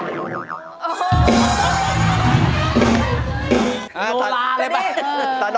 กูโหลาเลยปะ